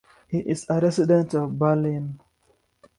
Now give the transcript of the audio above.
He is a resident of Berlin.